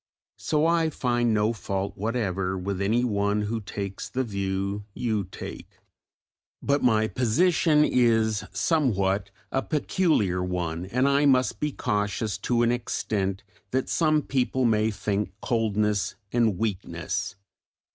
So that I find no fault whatever with any one who takes the view you take; but my position is somewhat a peculiar one and I must be cautious to an extent that some people may think coldness and weakness.